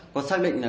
có xác định là